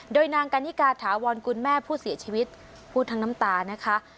โดยนางกันนิกาถาวรคุณแม่ผู้เสียชีวิตพูดทั้งน้ำตานะคะ